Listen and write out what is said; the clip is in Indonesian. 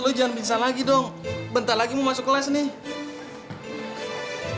eh lo jangan pingsan lagi dong bentar lagi mau masuk kelas nih